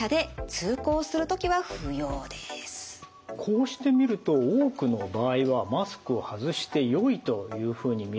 こうして見ると多くの場合はマスクを外してよいというふうに見えるんですが。